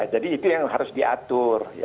jadi itu yang harus diatur